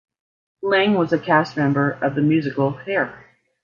Lange was a cast member of the musical "Hair".